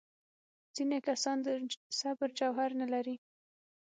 ځینې کسان د صبر جوهر نه لري.